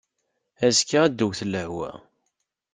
Azekka ad d-tewwet lehwa.